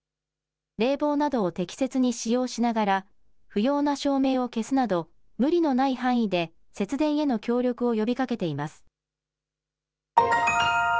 冷房などを適切に使用しながら不要な照明を消すなど無理のない範囲で節電への協力を呼びかけています。